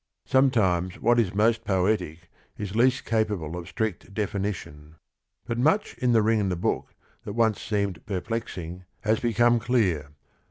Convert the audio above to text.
Sometimes what is most poetic is least capable of strict definition. But much in The Ring and the Book that once seemed perplexing has become clear.